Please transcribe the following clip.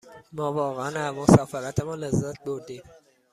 ما واقعاً از مسافرتمان لذت بردیم.